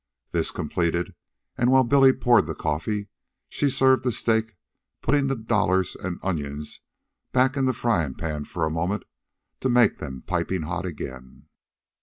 This completed, and while Billy poured the coffee, she served the steak, putting the dollars and onions back into the frying pan for a moment to make them piping hot again.